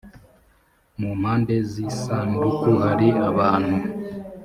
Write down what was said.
mu mpande z isanduku hari abantu